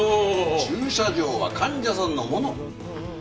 駐車場は患者さんのもの。